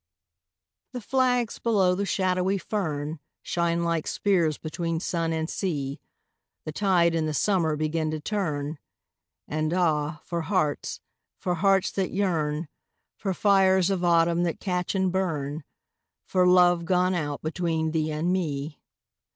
THE flags below the shadowy fern Shine like spears between sun and sea, The tide and the summer begin to turn, And ah, for hearts, for hearts that yearn, For fires of autumn that catch and burn, For love gone out between thee and me.